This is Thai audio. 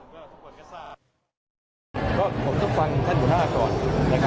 แล้วก็ชอบไงสักครั้ง